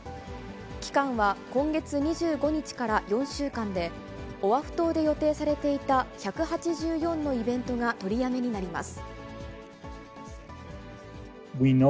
期間は今月２５日から４週間で、オアフ島で予定されていた１８４のイベントが取りやめになります。